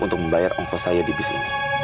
untuk membayar ongkos saya di bis ini